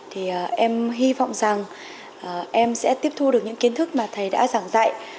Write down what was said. thì em hy vọng rằng em sẽ tiếp thu được những kiến thức mà thầy đã giảng dạy